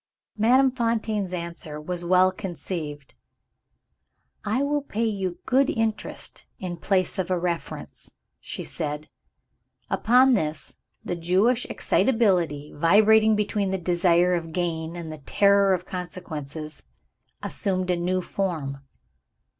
Madame Fontaine's answer was well conceived. "I will pay you good interest, in place of a reference," she said. Upon this, the Jewish excitability, vibrating between the desire of gain and the terror of consequences, assumed a new form.